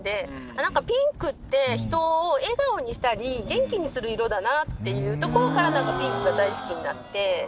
あっなんかピンクって人を笑顔にしたり元気にする色だなっていうところからなんかピンクが大好きになって。